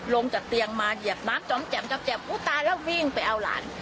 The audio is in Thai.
ลงจากเตียงมาเหยียบน้ำจำแจำจำแจำอุ๊ตาแล้ววิ่งไปเอาหลาน